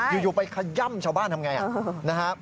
อยู่ไปขย่ำชาวบ้านทำอย่างไร